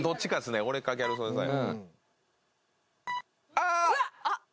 あ！